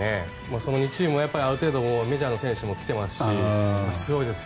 その２チームはメジャーの選手も来ていますし強いですよ。